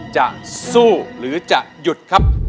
จะสู้หรือจะหยุดครับ